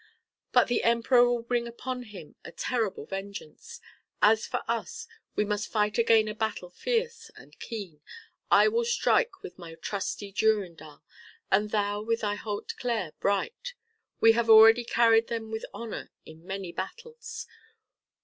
But the Emperor will bring upon him a terrible vengeance. As for us, we must fight again a battle fierce and keen. I will strike with my trusty Durindal and thou with thy Hauteclere bright. We have already carried them with honor in many battles.